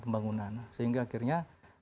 pembangunan sehingga akhirnya